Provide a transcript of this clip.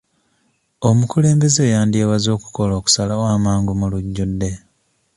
Omukulembeze yandyewaze okukola okusalawo amangu mu lujjudde.